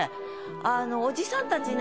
あのおじさんたちね